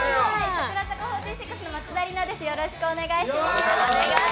櫻坂４６の松田里奈です。